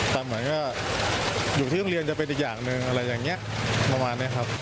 เหมือนว่าอยู่ที่โรงเรียนจะเป็นอีกอย่างหนึ่งอะไรอย่างนี้ประมาณนี้ครับ